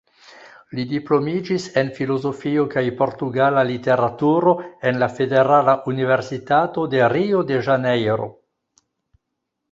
Li diplomiĝis en filozofio kaj portugala literaturo en la Federala Universitato de Rio-de-Ĵanejro.